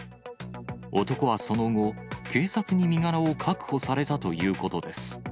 男はその後、警察に身柄を確保されたということです。